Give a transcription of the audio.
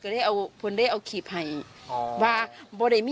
มันได้เอาขี่เพัย